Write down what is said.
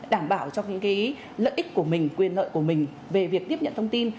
đảm bảo cho những lợi ích của mình quyền lợi của mình về việc tiếp nhận thông tin